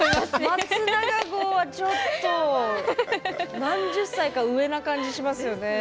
松永号はちょっと何十歳か上な感じがしますよね。